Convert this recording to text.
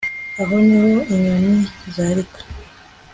aho ni ho inyoni zarika